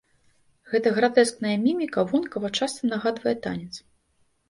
Гэта гратэскная міміка вонкава часта нагадвае танец.